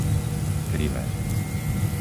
Krivé